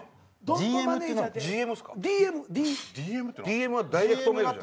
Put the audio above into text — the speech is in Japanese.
ＤＭはダイレクトメールじゃ。